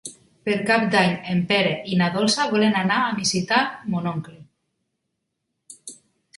Per Cap d'Any en Pere i na Dolça volen anar a visitar mon oncle.